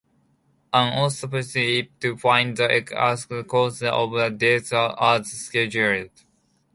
An autopsy to find the exact cause of death was scheduled.